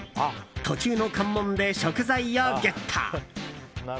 途中の関門で食材をゲット。